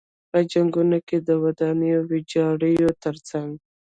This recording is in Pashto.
په جنګونو کې د ودانیو ویجاړیو تر څنګ.